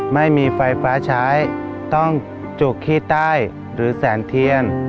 ไม่มีไฟฟ้าใช้ต้องจุกขี้ใต้หรือแสนเทียน